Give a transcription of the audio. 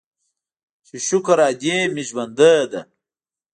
چې شکر ادې مې ژوندۍ ده.